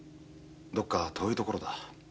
どこか遠い所だ。